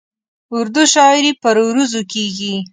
اردو شاعري پر عروضو کېږي.